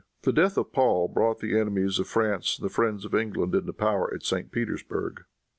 The death of Paul brought the enemies of France and the friends of England into power at St. Petersburg.